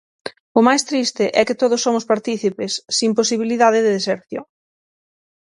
O máis triste é que todos somos partícipes sen posibilidade de deserción.